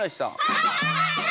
はい！